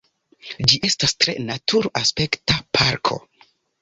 Ĝi estas tre natur-aspekta parko.